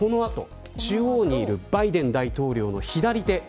中央にいるバイデン大統領の左手。